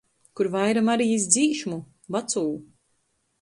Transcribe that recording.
Kur vaira Marijis dzīšmu, vacū.